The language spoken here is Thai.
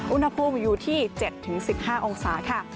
อุณหภูมิอยู่ที่๗๑๕องศาค่ะ